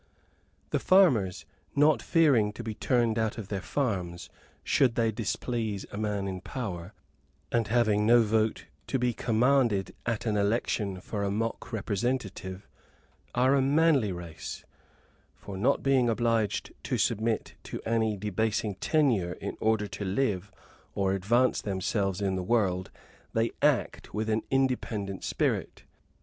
The farmers not fearing to be turned out of their farms, should they displease a man in power, and having no vote to be commanded at an election for a mock representative, are a manly race; for not being obliged to submit to any debasing tenure in order to live, or advance themselves in the world, they act with an independent spirit.